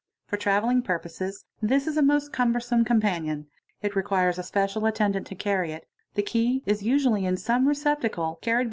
or travelling purposes this is a most cumbersome companion ; it requires pecial attendant to carry it, the key is usually in some receptacle carried a 19 | a